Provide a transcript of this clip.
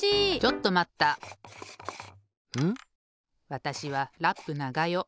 わたしはラップながよ。